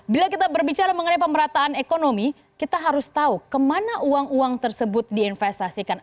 bila kita berbicara mengenai pemerataan ekonomi kita harus tahu kemana uang uang tersebut diinvestasikan